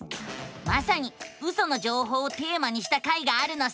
まさにウソの情報をテーマにした回があるのさ！